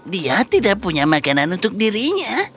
dia tidak punya makanan untuk dirinya